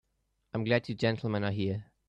I'm glad you gentlemen are here.